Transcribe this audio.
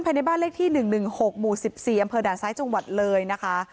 ภายในบ้านเลขที่๑๑๖หมู่๑๔อำเภอด่านซ้ายจังหวัดเลยนะคะ